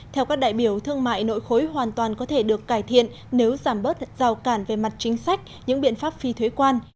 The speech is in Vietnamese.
theo các đại biểu thương mại nội khối hoàn toàn có thể được cải thiện nếu giảm bớt rào cản về mặt chính sách những biện pháp phi thuế quan